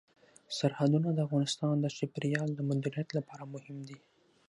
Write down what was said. سرحدونه د افغانستان د چاپیریال د مدیریت لپاره مهم دي.